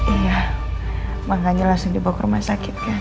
iya makanya langsung dibawa ke rumah sakit kan